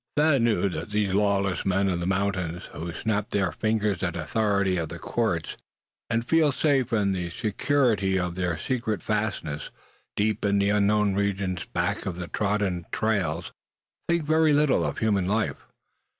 Thad knew that these lawless men of the mountains, who snap their fingers at the authority of the courts, and feel safe in the security of their secret fastnesses, deep in the unknown regions back of the trodden trails, think very little of human life.